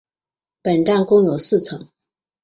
本站共有四层。